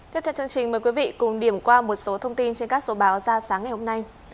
tiếp theo chương trình mời quý vị cùng điểm qua một số thông tin trên các số báo ra sáng ngày hôm nay